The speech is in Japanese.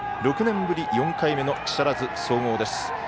６年ぶり４回目の木更津総合です。